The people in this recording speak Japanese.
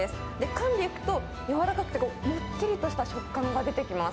かんでいくと、柔らかくて、もっちりとした食感が出てきます。